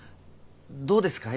どうですかい？